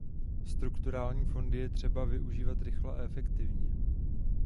Strukturální fondy je třeba využívat rychle a efektivně.